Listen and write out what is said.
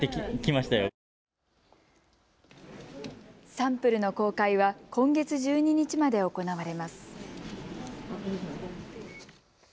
サンプルの公開は今月１２日まで行われます。